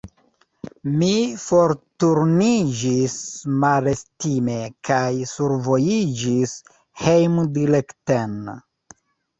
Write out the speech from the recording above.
Mi forturniĝis malestime kaj survojiĝis hejmdirekten.